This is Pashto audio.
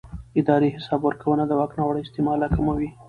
اداري حساب ورکونه د واک ناوړه استعمال راکموي